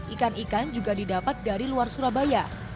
ikan ikan juga didapat dari luar surabaya